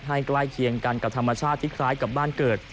ใกล้เคียงกันกับธรรมชาติที่คล้ายกับบ้านเกิด